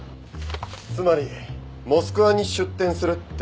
つまりモスクワに出店するってことですか？